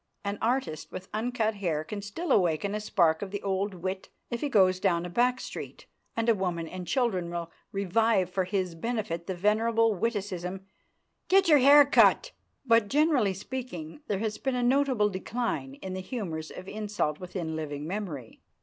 An artist with uncut hair can still awaken a spark of the old wit if he goes down a back street, and women and children will revive for his benefit the venerable witticism: "Get your hair cut!" But, generally speaking, there has been a notable decline in the humours of insult within living memory.